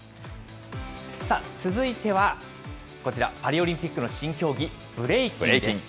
さあ続いては、こちら、パリオリンピックの新競技、ブレイキンです。